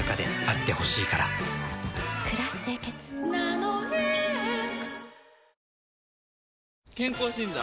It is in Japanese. くらし清潔「ナノイーＸ」健康診断？